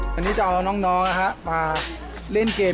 วันนี้จะเอาน้องมาเล่นเกม